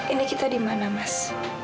ini kita di mana mas